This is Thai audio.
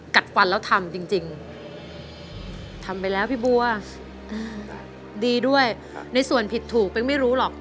กัดฟันแล้วทำจริงทำไปแล้วพี่บัวดีด้วยในส่วนผิดถูกเป๊กไม่รู้หรอก